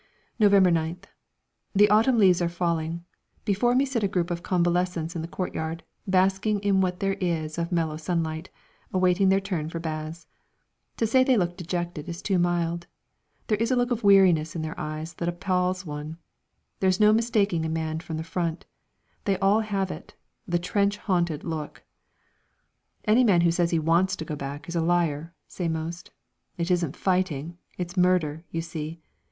November 9th. The autumn leaves are falling. Before me sit a group of convalescents in the courtyard, basking in what there is of mellow sunlight awaiting their turn for baths. To say they look dejected is too mild. There is a look of weariness in their eyes that appals one. There is no mistaking a man from the front. They all have it the trench haunted look. "Any man who says he wants to go back is a liar," say most. "It isn't fighting; it's murder, you see."